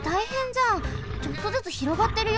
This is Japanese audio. ちょっとずつ広がってるよ！